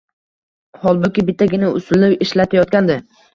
Holbuki, bittagina usulni ishlatayotgandi